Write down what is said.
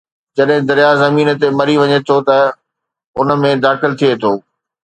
جڏهن درياهه زمين تي مري وڃي ٿو ته ان ۾ داخل ٿئي ٿو